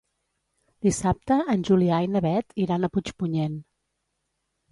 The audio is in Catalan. Dissabte en Julià i na Beth iran a Puigpunyent.